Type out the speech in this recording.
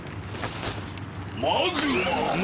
マグマ！